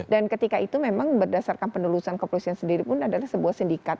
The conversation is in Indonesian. dan ketika itu memang berdasarkan penelusuran kepolisian sendiri pun adalah sebuah sindikat